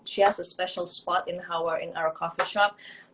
dia punya tempat istimewa di kedai kopi kita